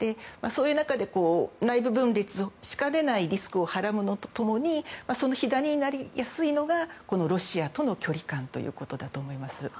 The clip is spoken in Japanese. そういう中で内部分裂をしかねないリスクをはらむのと共にその火種になりやすいのがロシアとの距離感ということだと思います。